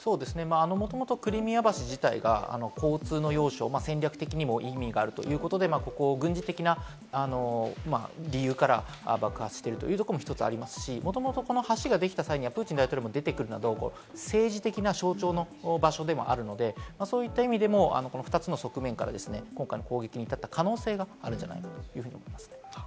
もともとクリミア橋自体が交通の要衝、戦略的にも意味があるということで軍事的な理由から爆発しているというところも１つありますし、もともと橋ができた際に、プーチン大統領も出てくるなど、政治的な象徴の場所でもあるので、そういった意味でも２つの側面から今回の攻撃に至った可能性があるんじゃないかと思います。